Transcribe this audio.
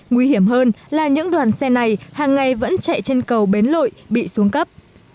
nguy hiểm hơn là những đoàn xe này hàng ngày vẫn chạy trên cầu bến lội bị xuống cấp